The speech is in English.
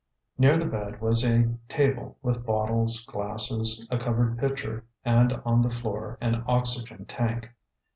Near the bed was a table with bottles, glasses, a covered pitcher, and on the floor an oxygen tank.